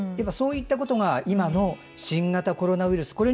そういったことが今の新型コロナウイルス